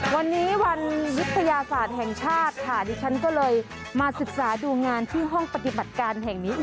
วันนี้วันวิทยาศาสตร์แห่งชาติค่ะดิฉันก็เลยมาศึกษาดูงานที่ห้องปฏิบัติการแห่งนี้